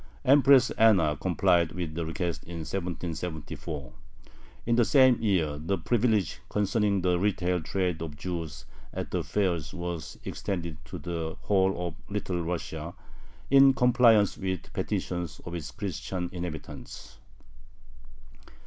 Empress Anna complied with the request in 1774. In the same year the privilege concerning the retail trade of Jews at the fairs was extended to the whole of Little Russia, in compliance with a petition of its Christian inhabitants.